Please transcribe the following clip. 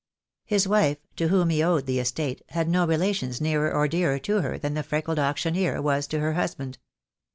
His wife, to whom he owed the estate, had no re lations nearer or dearer to her than the freckled auctioneer was to her husband.